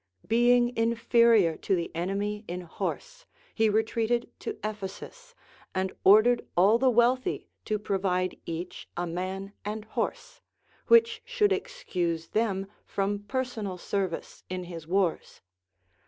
Being inferior to the enemy in horse, he retreated to Ephesus, aud ordered all the wealthy to provide each a man and horse, which should excuse them from personal service in his Λvars.